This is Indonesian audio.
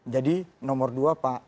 jadi nomor dua pak